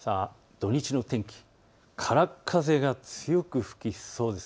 土日の天気、からっ風が強く吹きそうです。